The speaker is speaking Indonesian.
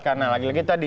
karena lagi lagi tadi